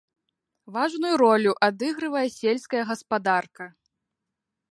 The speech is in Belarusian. Важную ролю адыгрывае сельская гаспадарка.